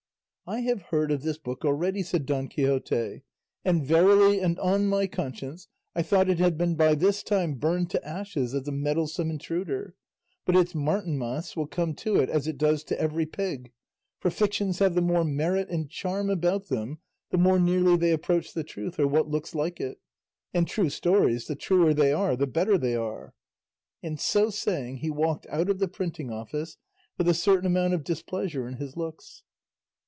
"I have heard of this book already," said Don Quixote, "and verily and on my conscience I thought it had been by this time burned to ashes as a meddlesome intruder; but its Martinmas will come to it as it does to every pig; for fictions have the more merit and charm about them the more nearly they approach the truth or what looks like it; and true stories, the truer they are the better they are;" and so saying he walked out of the printing office with a certain amount of displeasure in his looks.